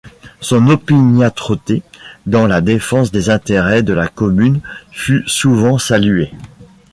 Son opiniâtreté dans la défense des intérêts de la commune fut souvent saluée.